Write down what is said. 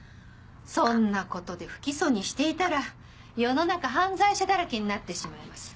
そんなことで不起訴にしていたら世の中犯罪者だらけになってしまいます。